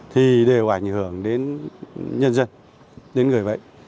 thì đều ảnh hưởng đến nhân dân đến người bệnh